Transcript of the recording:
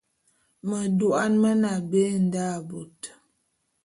Medouan mene abé nda bot.